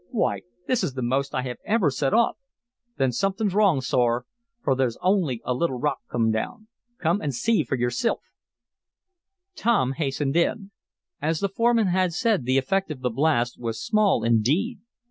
"Why, this is the most I have ever set off." "Then somethin's wrong, sor. Fer there's only a little rock down. Come an' see fer yersilf." Tom hastened in. As the foreman had said, the effect of the blast was small indeed.